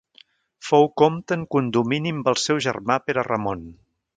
Fou comte en condomini amb el seu germà Pere Ramon.